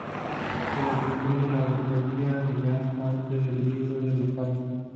Se le atribuye la autoría de gran parte del "Libro de los Salmos".